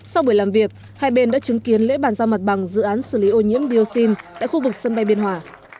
sau buổi làm việc hai bên đã chứng kiến lễ bàn giao mặt bằng dự án xử lý ô nhiễm dioxin tại khu vực sân bay biên hòa